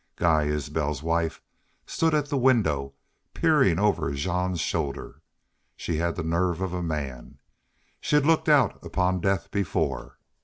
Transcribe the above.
Guy Isbel's wife stood at the window, peering over Jean's shoulder. She had the nerve of a man. She had looked out upon death before.